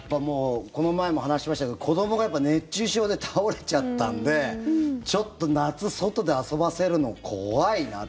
この前も話しましたけど子どもが熱中症で倒れちゃったんでちょっと、夏外で遊ばせるの怖いなって。